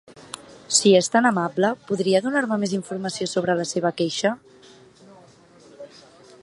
Si és tant amable, podria donar-me més informació sobre la seva queixa?